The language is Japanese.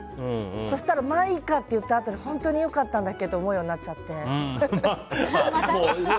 そしたら、まあいっかって言ったあとに本当に良かったんだっけって思うようになっちゃって。